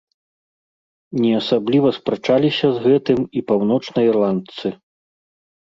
Не асабліва спрачаліся з гэтым і паўночнаірландцы.